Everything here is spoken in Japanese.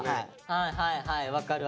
はいはいはい分かる分かる。